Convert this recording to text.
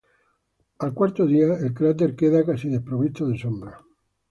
Al cuarto día, el cráter queda casi desprovisto de sombra.